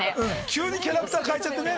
急にキャラクター変えちゃってね